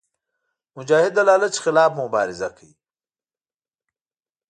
مجاهد د لالچ خلاف مبارزه کوي.